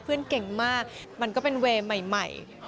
เก่งมากมันก็เป็นเวย์ใหม่